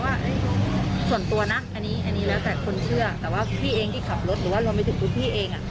ว่าส่วนตัวนะอันนี้อันนี้แล้วแต่คนเชื่อแต่ว่าพี่เองที่ขับรถหรือว่ารวมไปถึงคุณพี่เอง